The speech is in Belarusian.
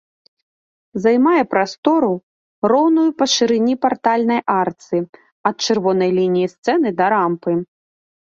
Займае прастору, роўную па шырыні партальнай арцы, ад чырвонай лініі сцэны да рампы.